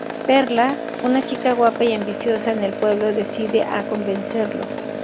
Perla, una chica guapa y ambiciosa en el pueblo, decide a convencerlo.